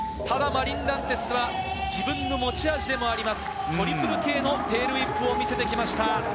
ただマリン・ランテスは自分の持ち味でもあります、トリプル系のテールウィップを見せていきました。